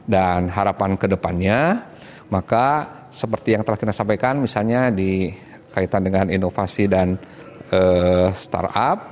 dan harapan kedepannya maka seperti yang telah kita sampaikan misalnya dikaitan dengan inovasi dan startup